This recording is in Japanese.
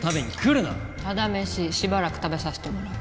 タダ飯しばらく食べさせてもらう。